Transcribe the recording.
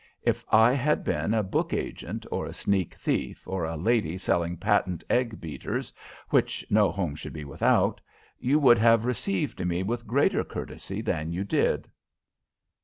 If I had been a book agent, or a sneak thief, or a lady selling patent egg beaters which no home should be without, you would have received me with greater courtesy than you did."